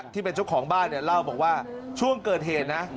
ที่เป็นเจ้าของบ้านเนี่ยเล่าบอกว่าช่วงเกิดเหตุนะ